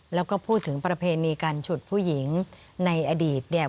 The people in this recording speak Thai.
แล้วก็พูดถึงประเพณีการฉุดผู้หญิงในอดีตเนี่ย